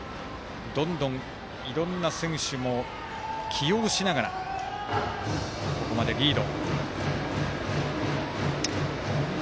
どんどん、いろんな選手も起用しながらここまでリード。